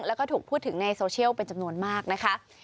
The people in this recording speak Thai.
แล้วก็ถูกพูดถึงในโซเชียลเป็นจำนวนมากนะคะ